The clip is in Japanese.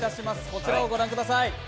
こちらをご覧ください。